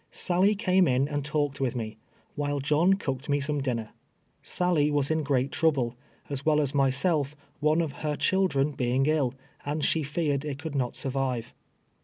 Sally came in and talked "with me, while John cooked me some dinner. Sally was in great trouble, as well as myself, one of her children being ill, and she feared it could not survive.